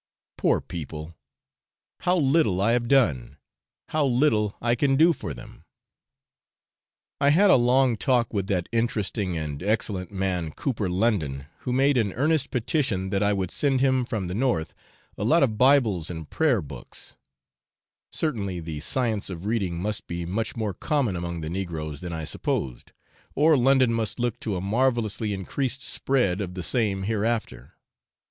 Poor people! how little I have done, how little I can do for them. I had a long talk with that interesting and excellent man, Cooper London, who made an earnest petition that I would send him from the North a lot of Bibles and Prayer Books; certainly the science of reading must be much more common among the negroes than I supposed, or London must look to a marvellously increased spread of the same hereafter.